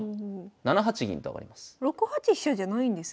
７八銀と上がります。